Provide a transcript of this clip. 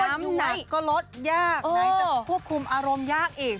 น้ำหนักก็ลดยากไหนจะควบคุมอารมณ์ยากอีก